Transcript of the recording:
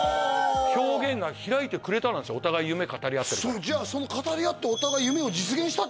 表現が「開いてくれた」なんですよお互い夢語り合ってるからじゃあその語り合ってお互い夢を実現したってことですね？